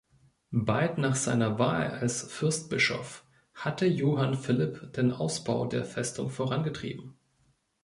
Bald nach seiner Wahl als Fürstbischof hatte Johann Philipp den Ausbau der Festung vorangetrieben.